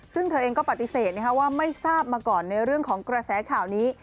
ซึ่งเธอเองก็ปฏิเสธว่าไม่ทราบมาก่อนในเรื่องของกระแสข่าวนี้